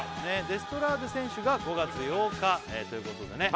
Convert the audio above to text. デストラーデ選手が５月８日ということでね